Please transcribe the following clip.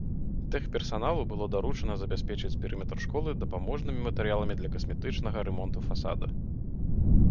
Тэхперсаналу было даручана забяспечыць перыметр школы дапаможнымі матэрыяламі для касметычнага рамонту фасада.